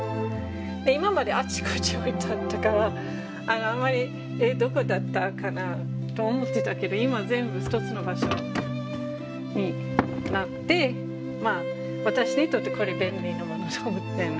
今まであちこち置いてあったから「えっどこだったかな？」と思ってたけど今全部１つの場所になって私にとってこれ便利なものと思って。